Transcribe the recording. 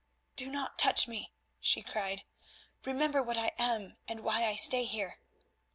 "Do not touch me," she cried, "remember what I am and why I stay here."